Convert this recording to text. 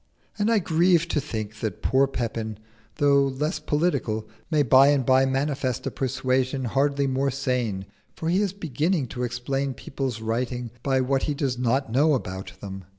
And I grieve to think that poor Pepin, though less political, may by and by manifest a persuasion hardly more sane, for he is beginning to explain people's writing by what he does not know about them.